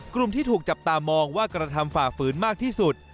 กลุ่มที่ถูกจับตามองว่ากระทำฝ่าฝืนมากที่สุด